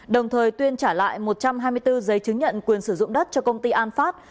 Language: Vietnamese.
đồng thời tuyên trả lại một trăm hai mươi bốn giấy chứng nhận quyền sử dụng đất cho công ty an phát